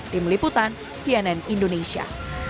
tim liputan cnn indonesia